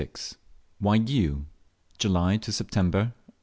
WAIGIOU. (JULY TO SEPTEMBER 1860.)